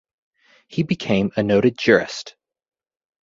He became a noted jurist.